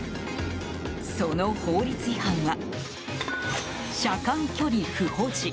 その法律違反は車間距離不保持。